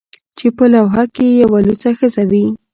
چې په لوحه کې یې یوه لوڅه ښځه وي